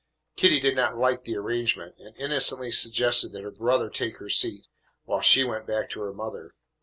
Kitty did not like the arrangement, and innocently suggested that her brother take her seat while she went back to her mother.